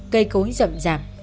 cây cối rậm rạp